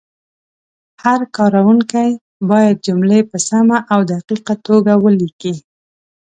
هر کارونکی باید جملې په سمه او دقیقه توګه ولیکي.